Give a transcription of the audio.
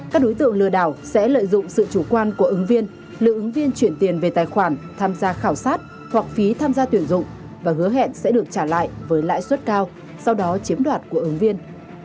các đối tượng lừa đảo sẽ lợi dụng sự chủ quan của ứng viên lựa ứng viên chuyển tiền về tài khoản tham gia khảo sát hoặc phí tham gia tuyển dụng và hứa hẹn sẽ được trả lại với lãi suất cao sau đó chiếm đoạt của ứng viên